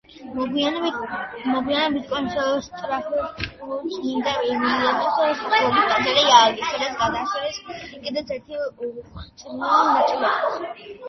მოგვიანებით კონსტანტინოპოლში წმინდა ემილიანეს სახელობის ტაძარი ააგეს, სადაც გადაასვენეს კიდეც მისი უხრწნელი ნაწილები.